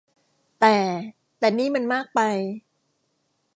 แต่ แต่นี่มันมากไป